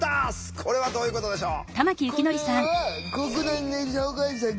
これはどういうことでしょう？